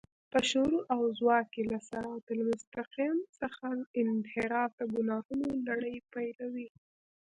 په شعور او ځواک کې له صراط المستقيم څخه انحراف د ګناهونو لړۍ پيلوي.